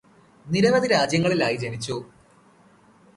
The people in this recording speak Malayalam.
നിരവധി രാജ്യങ്ങളിലായി ജനിച്ചു്.